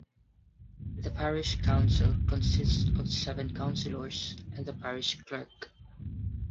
The parish council consists of seven councillors and the parish clerk.